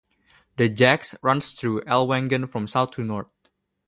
The Jagst runs through Ellwangen from south to north.